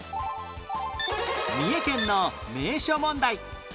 三重県の名所問題